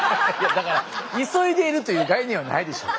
急いでいるという概念はないでしょう。